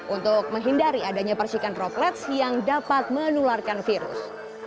untuk menghindari adanya persikan droplets yang dapat menularkan virus